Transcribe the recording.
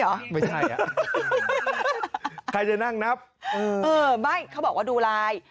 ไม่ใช่อ่ะใครจะนั่งนับเออเออไม่เขาบอกว่าดูไลน์